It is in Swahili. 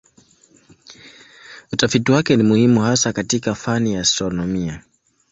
Utafiti wake ni muhimu hasa katika fani ya astronomia.